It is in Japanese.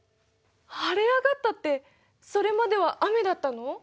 晴れ上がったってそれまでは雨だったの？